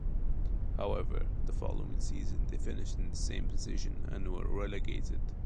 However, the following season they finished in the same position, and were relegated.